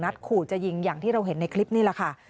ขู่จะยิงอย่างที่เราเห็นในคลิปนี่แหละค่ะ